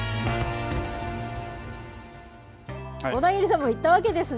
小田切さんも行ったわけですね。